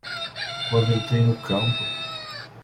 Quando entrei no campo